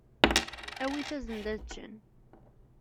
Awit-asen-d ad ččen.